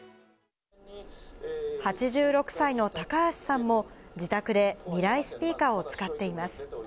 ８６歳の高橋さんも、自宅でミライスピーカーを使っています。